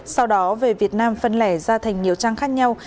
sau đó về việt nam phân lẻ ra thành nhiều trang khác nhau